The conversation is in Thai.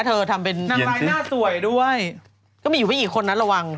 เรื่องนี้หนุ่มจะไม่ยุ่ง